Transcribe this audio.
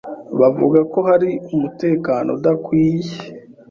bavuga ko hari umutekano udakwiye